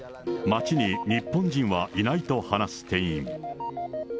街に日本人はいないと話す店員。